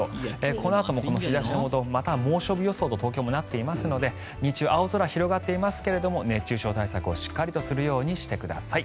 このあともこの日差しのもとまた猛暑日予想と東京はなっていますので日中、青空が広がっていますが熱中症対策をしっかりとするようにしてください。